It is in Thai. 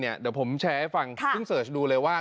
เดี๋ยวผมแชร์ให้ฟังเพิ่งเสิร์ชดูเลยว่า